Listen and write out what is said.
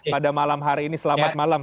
pada malam hari ini selamat malam